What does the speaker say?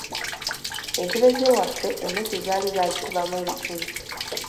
Entebe z’ewaffe emmese zaali zaazikubamu ebituli.